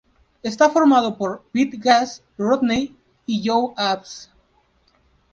Está formado por Pete Gas, Rodney y Joey Abs.